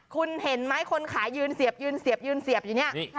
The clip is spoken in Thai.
คุณเห็นไหมคนขายยืนเสียบยืนเสียบยืนเสียบอยู่เนี่ย